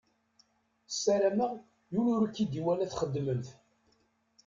Sarameɣ yiwen ur ken-id-iwala txeddmem-t.